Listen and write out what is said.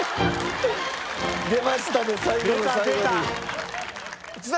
出ましたね